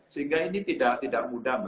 sehingga ini tidak mudah